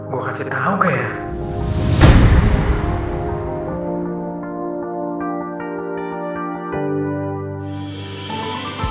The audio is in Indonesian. gue kasih tau kayaknya